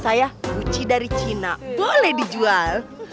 saya guci dari cina boleh dijual